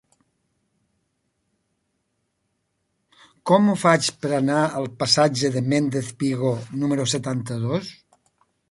Com ho faig per anar al passatge de Méndez Vigo número setanta-dos?